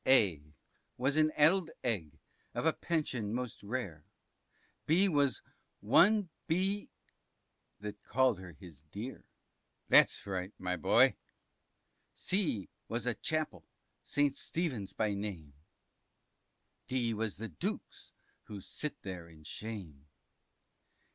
P. A was an Addled egg, of a pension most rare, B was one B....y, that call'd her his dear. T. That's right, my boy. P. C was a Chapel. St. Stephens by name, D was the Dukes who sit there in shame.